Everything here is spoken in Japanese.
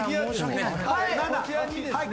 はい。